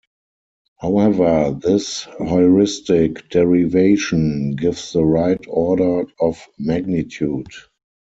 However, this heuristic derivation gives the right order of magnitude.